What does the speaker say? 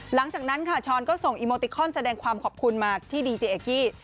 หลังจากนั้นค่ะช้อนก็ส่งอีโมติคอนแสดงความขอบคุณมาที่ดีเจเอกกี้